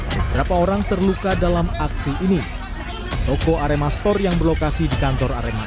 beberapa orang terluka dalam aksi ini toko arema store yang berlokasi di kantor arema